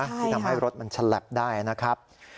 ที่ทำให้รถมันฉลับได้นะครับ